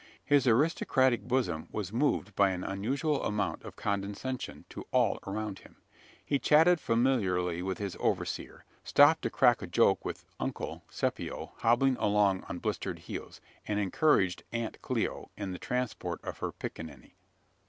His aristocratic bosom was moved by an unusual amount of condescension, to all around him. He chatted familiarly with his overseer; stopped to crack a joke with "Uncle" Scipio, hobbling along on blistered heels; and encouraged "Aunt" Chloe in the transport of her piccaninny.